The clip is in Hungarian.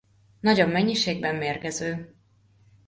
Nagyobb mennyiségben mérgező.